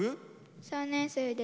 ３年生です。